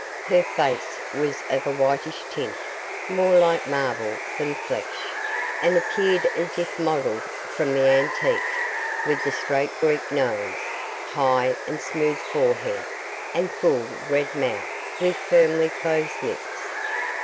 Her face was of a whitish tint, more like marble than flesh, and appeared as if modelled from the antique with the straight Greek nose, high and smooth forehead, and full red mouth, with firmly closed lips.